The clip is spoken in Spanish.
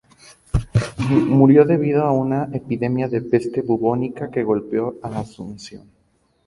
Murió debido a una epidemia de peste bubónica que golpeó a Asunción.